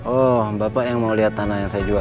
oh bapak yang mau lihat tanah yang saya jual